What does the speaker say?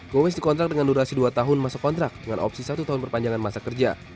gomez dikontrak dengan durasi dua tahun masuk kontrak dengan opsi satu tahun perpanjangan masa kerja